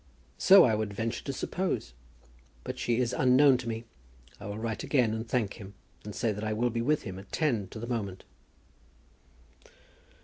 "So I would venture to suppose; but she is unknown to me. I will write again, and thank him, and say that I will be with him at ten to the moment."